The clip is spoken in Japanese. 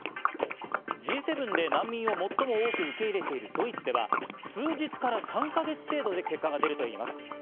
Ｇ７で難民を最も多く受け入れているドイツでは数日から３か月程度で結果が出るといいます。